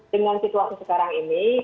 dengan situasi sekarang ini